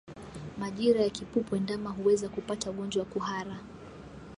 Majira ya kipupwe ndama huweza kupata ugonjwa wa kuhara